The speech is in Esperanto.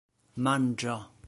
manĝo